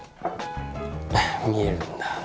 見えるんだ。